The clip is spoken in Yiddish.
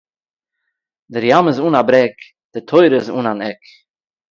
דער ים איז אָן אַ ברעג — די תּורה איז אָן אַן עק.